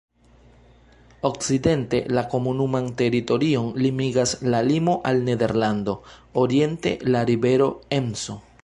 Okcidente la komunuman teritorion limigas la limo al Nederlando, oriente la rivero Emso.